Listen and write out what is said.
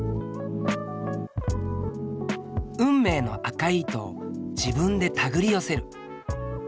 運命の赤い糸を自分でたぐり寄せる。